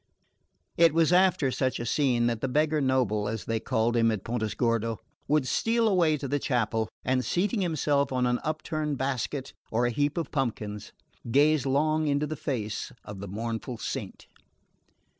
It was after such a scene that the beggar noble, as they called him at Pontesordo, would steal away to the chapel and, seating himself on an upturned basket or a heap of pumpkins, gaze long into the face of the mournful saint.